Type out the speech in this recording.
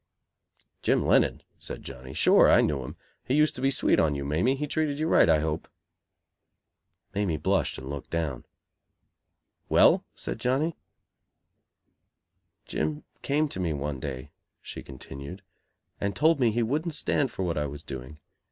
"Jim Lennon?" said Johnny, "Sure, I knew him. He used to be sweet on you, Mamie. He treated you right, I hope." Mamie blushed and looked down. "Well?" said Johnny. "Jim came to me one day," she continued, "and told me he wouldn't stand for what I was doing.